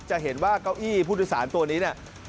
จะเห็นว่าเก้าอี้ผู้โดยสารตัวนี้เนี่ย